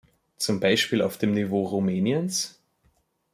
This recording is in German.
Zum Beispiel auf dem Niveau Rumäniens?